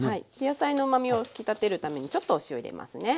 野菜のうまみを引き立てるためにちょっとお塩入れますね。